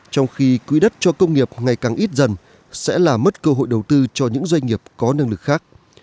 trong khi quỹ đất cho công nghiệp ngày càng ít dần sẽ là mất cơ hội đầu tư cho những doanh nghiệp có năng lực khác